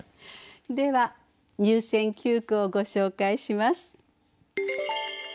では入選九句をご紹介します。